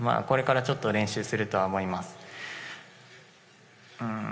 これからちょっと練習すると思います。